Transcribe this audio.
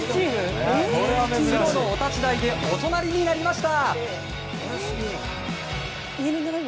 プロのお立ち台でもお隣になりました。